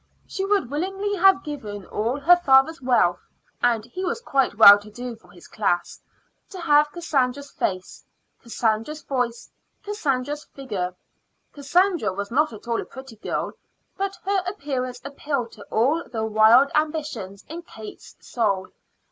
She would willingly have given all her father's wealth and he was quite well to do for his class to have Cassandra's face, Cassandra's voice, Cassandra's figure. Cassandra was not at all a pretty girl, but her appearance appealed to all the wild ambitions in Kate's soul.